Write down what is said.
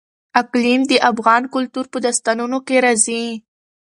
اقلیم د افغان کلتور په داستانونو کې راځي.